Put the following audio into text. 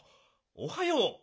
おはよう。